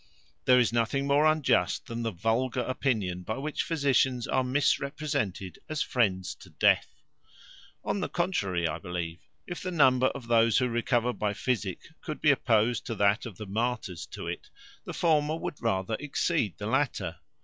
There is nothing more unjust than the vulgar opinion, by which physicians are misrepresented, as friends to death. On the contrary, I believe, if the number of those who recover by physic could be opposed to that of the martyrs to it, the former would rather exceed the latter.